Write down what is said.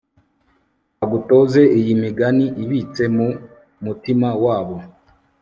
bagutoze iyi migani ibitse mu mutima wabo